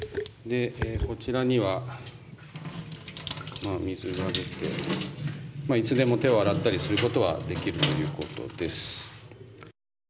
こちらには水が出ていつでも手を洗ったりすることはできるということです。